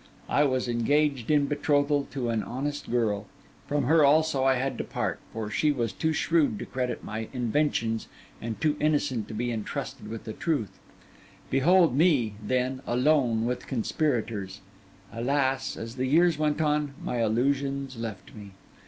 I was engaged in betrothal to an honest girl; from her also I had to part, for she was too shrewd to credit my inventions and too innocent to be entrusted with the truth. Behold me, then, alone with conspirators! Alas! as the years went on, my illusions left me.